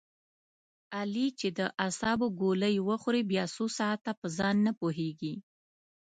علي چې د اعصابو ګولۍ و خوري بیا څو ساعته په ځان نه پوهېږي.